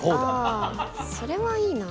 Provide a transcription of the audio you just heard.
ああそれはいいな。